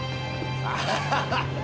アハハハハ！